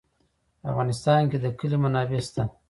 په افغانستان کې د کلي منابع شته.